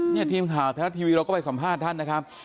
ทีมข่าวไทยรัฐทีวีเราก็ไปสัมภาษณ์ท่านนะครับ